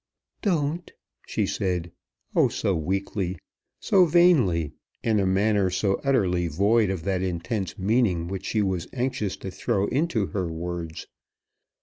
"Don't," she said; oh so weakly, so vainly; in a manner so utterly void of that intense meaning which she was anxious to throw into her words.